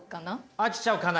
飽きちゃうかな。